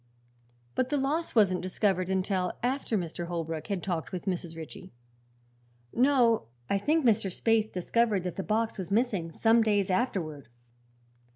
"But the loss wasn't discovered until after Mr. Holbrook had talked with Mrs. Ritchie?" "No. I think Mr. Spaythe discovered that the box was missing some days afterward."